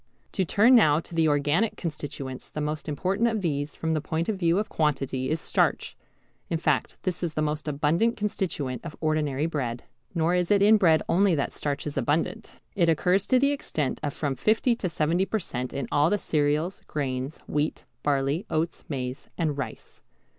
To turn now to the organic constituents. The most important of these from the point of view of quantity is starch, in fact this is the most abundant constituent of ordinary bread. Nor is it in bread only that starch is abundant. It occurs to the extent of from 50 to 70 per cent. in all the cereals, grains, wheat, barley, oats, maize, and rice.